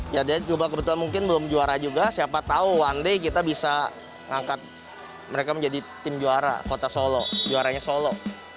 ya dia coba kebetulan mungkin belum juara juga siapa tahu one day kita bisa ngangkat mereka menjadi tim juara kota solo juaranya solo